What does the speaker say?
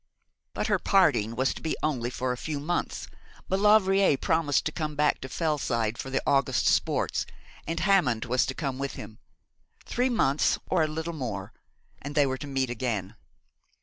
But her parting was to be only for a few months. Maulevrier promised to come back to Fellside for the August sports, and Hammond was to come with him. Three months or a little more and they were to meet again.